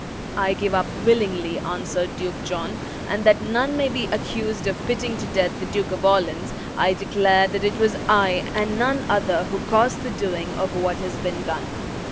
"I give up willingly," answered Duke John; "and that none may be accused of putting to death the Duke of Orleans, I declare that it was I, and none other, who caused the doing of what has been done."